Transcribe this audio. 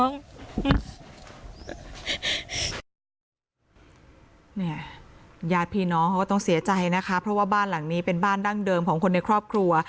เนี่ยญาติพี่น้องเขาก็ต้องเสียใจนะคะเพราะว่าบ้านหลังนี้เป็นบ้านดั้งเดิมของคนในครอบครัว